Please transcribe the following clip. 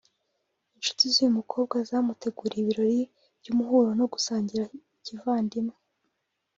inshuti z’uyu mukobwa zamuteguriye ibirori by’umuhuro no gusangira kivandimwe